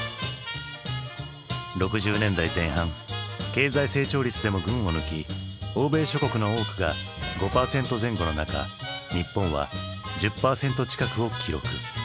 ６０年代前半経済成長率でも群を抜き欧米諸国の多くが５％前後の中日本は１０％近くを記録。